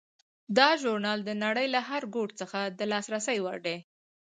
دا ژورنال د نړۍ له هر ګوټ څخه د لاسرسي وړ دی.